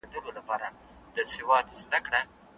آس په پوره هوښیارۍ د خلکو ناسم فکر په غلط ثابت کړ.